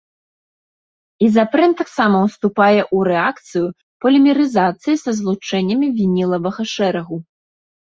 Ізапрэн таксама ўступае ў рэакцыю полімерызацыі са злучэннямі вінілавага шэрагу.